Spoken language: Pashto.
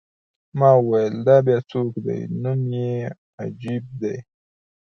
ما وویل: دا بیا څوک دی؟ نوم یې عجیب دی.